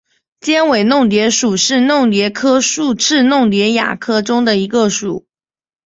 尖尾弄蝶属是弄蝶科竖翅弄蝶亚科中的一个属。